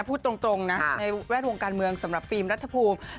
พูดตรงนะในแวดวงการเมืองสำหรับฟิล์มรัฐภูมิ